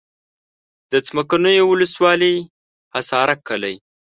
د څمکنیو ولسوالي حصارک کلی.